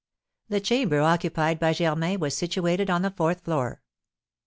The chamber occupied by Germain was situated on the fourth floor.